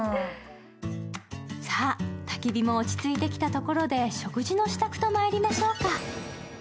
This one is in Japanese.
さあ、たき火も落ち着いてきたところで、食事のしたくとまいりましょうか。